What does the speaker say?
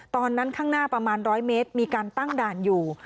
ข้างหน้าประมาณ๑๐๐เมตรมีการตั้งด่านอยู่